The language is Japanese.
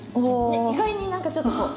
ねっ意外に何かちょっとこう。